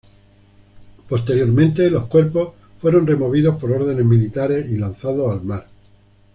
Posteriormente los cuerpos fueron removidos por órdenes militares y lanzados al mar.